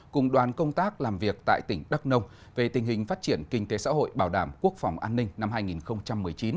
cùng đoàn công tác làm việc tại tỉnh đắk nông về tình hình phát triển kinh tế xã hội bảo đảm quốc phòng an ninh năm hai nghìn một mươi chín